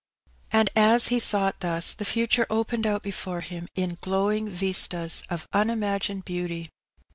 And as he thought thus, the future opened out before him in glowing vistas of unimagined beauty.